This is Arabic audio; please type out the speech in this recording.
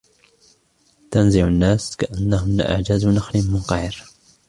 تَنزِعُ النَّاسَ كَأَنَّهُمْ أَعْجَازُ نَخْلٍ مُّنقَعِرٍ